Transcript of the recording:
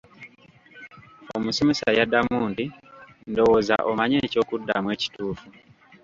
Omusomesa yaddamu nti ndowooza omanyi ekyokuddamu ekituufu.